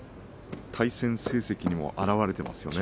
対戦成績にも表れていますね。